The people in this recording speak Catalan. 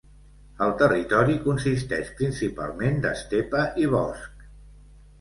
El territori consisteix principalment d'estepa i bosc.